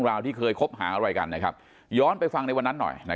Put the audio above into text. แล้วเราไปรู้จักกับเขาได้ยังไง